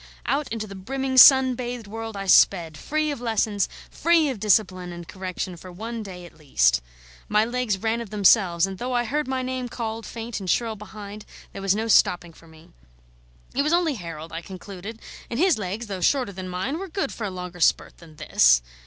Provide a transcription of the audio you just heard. Out into the brimming sun bathed world I sped, free of lessons, free of discipline and correction, for one day at least. My legs ran of themselves, and though I heard my name called faint and shrill behind, there was no stopping for me. It was only Harold, I concluded, and his legs, though shorter than mine, were good for a longer spurt than this.